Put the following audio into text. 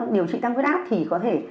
điều trị tăng huyết áp thì có thể